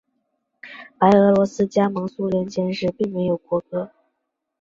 白俄罗斯加盟苏联前时并没有国歌。